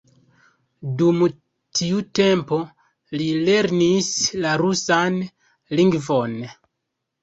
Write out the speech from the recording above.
Dum tiu tempo li lernis la rusan lingvon.